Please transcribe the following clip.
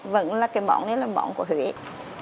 vẫn là cái món này là món của huyệt